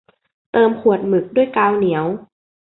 เติมขวดหมึกด้วยกาวเหนียว